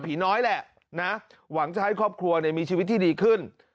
น้อยแหละนะหวังจะให้ครอบครัวมีชีวิตที่ดีขึ้น